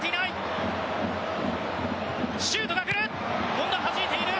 シュートが来る！